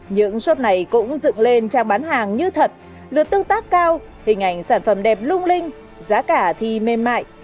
những shop này cũng dựng lên trang bán hàng như thật lượt tương tác cao hình ảnh sản phẩm đẹp lung linh giá cả thi mềm mại